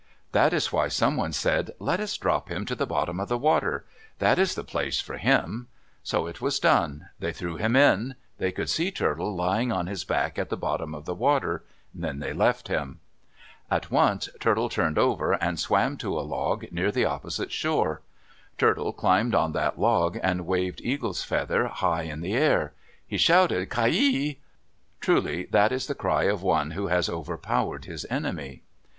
That is why someone said, "Let us drop him to the bottom of the water. That is the place for him." So it was done. They threw him in. They could see Turtle lying on his back on the bottom of the water. Then they left him. At once Turtle turned over and swam to a log near the opposite shore. Turtle climbed on that log, and waved Eagle's feather high in the air. He shouted, "Ki he." Truly, that is the cry of one who has overpowered his enemy.